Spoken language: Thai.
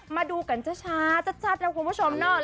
มาดูกันช้าชัดนะคุณผู้ชมเนาะ